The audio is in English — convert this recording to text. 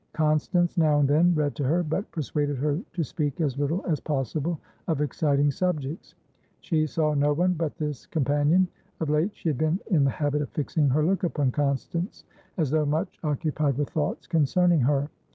Constance now and then read to her, but persuaded her to speak as little as possible of exciting subjects. She saw no one but this companion. Of late she had been in the habit of fixing her look upon Constance, as though much occupied with thoughts concerning her.